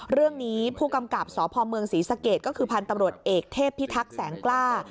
เรื่องนี้ผู้กำกับสพเมืองศรีสะเกดก็คือพันธุ์ตำรวจเอกเทพพิทักษ์แสงกล้า